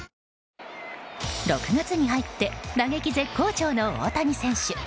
６月に入って打撃絶好調の大谷選手。